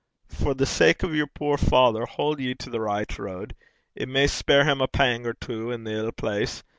For the sake o' yer puir father, haud ye to the richt road. It may spare him a pang or twa i' the ill place.